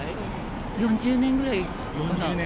４０年ぐらいかな。